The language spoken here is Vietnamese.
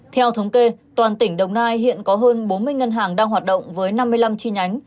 theo thống kê toàn tỉnh đồng nai hiện có hơn bốn mươi ngân hàng đang hoạt động với năm mươi năm chi nhánh